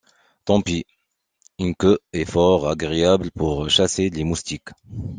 Tant pis! une queue est fort agréable pour chasser les moustiques.